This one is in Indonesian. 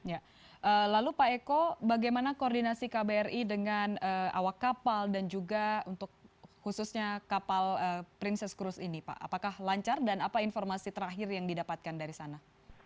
ya lalu pak eko bagaimana koordinasi kbri dengan awak kapal dan juga untuk khususnya kapal princess cruise ini pak apakah lancar dan apa informasi terakhir yang didapatkan dari sana